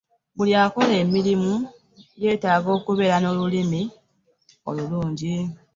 Buli akola emirimu yeetaaga okubeera n'olulimi olulungi.